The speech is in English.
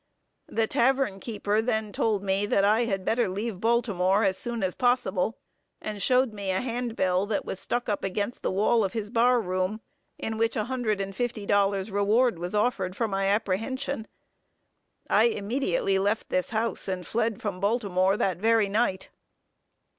The tavern keeper then told me, that I had better leave Baltimore as soon as possible, and showed me a hand bill that was stuck up against the wall of his bar room, in which a hundred and fifty dollars reward was offered for my apprehension. I immediately left this house, and fled from Baltimore that very night.